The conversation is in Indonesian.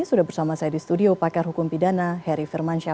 sudah bersama saya di studio pakar hukum pidana heri firmansyah